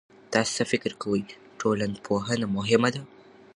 تاسو څه فکر کوئ، ټولنپوهنه مهمه ده؟